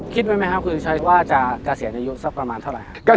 คิดไหมไหมฮะคุณหญิงชัยว่าจะเกษียณในยุคสักประมาณเท่าไรฮะ